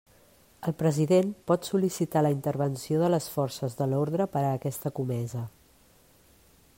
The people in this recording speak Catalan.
El president pot sol·licitar la intervenció de les forces de l'orde per a aquesta comesa.